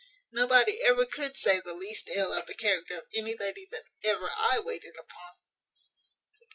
Nobody ever could say the least ill of the character of any lady that ever I waited upon."